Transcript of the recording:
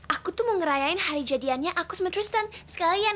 aku tuh mau ngerayain hari jadiannya aku sama tristen sekalian